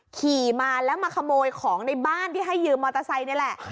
ขี่มาแล้วมาขโมยของในบ้านที่ให้ยืมมอเตอร์ไซค์นี่แหละ